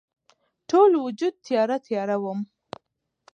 ټول وجود تیاره، تیاره وم